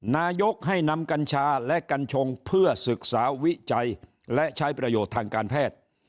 นายกให้นำกัญชาและกัญชงเพื่อศึกษาวิจัยและใช้ประโยชน์ทางการแพทย์